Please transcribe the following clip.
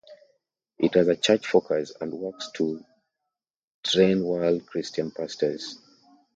It has a church focus and works to train world Christian pastors.